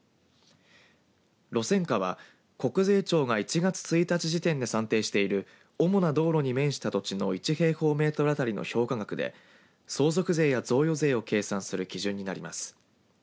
路線価は国税庁が１月１日時点で算定している主な道路に面した土地の１平方メートル当たりの評価額で相続税や贈与税を計算する基準になります。